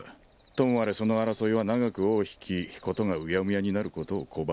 ともあれその争いは長く尾を引き事がうやむやになることを拒んだ。